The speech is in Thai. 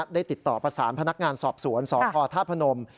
ได้ติดต่อประสานพนักงานสอบสวนสพธาตุพนม